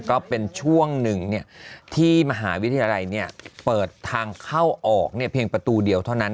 ก็เป็นช่วงหนึ่งที่มหาวิทยาลัยเปิดทางเข้าออกเพียงประตูเดียวเท่านั้น